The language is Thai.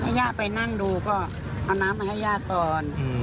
ใช่ถ้าให้ย่าไปนั่งดูก็เอาน้ำมาให้ย่าก่อน